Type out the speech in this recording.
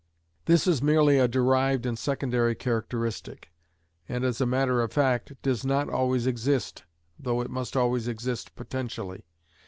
This is merely a derived and secondary characteristic, and, as a matter of fact, does not always exist, though it must always exist potentially.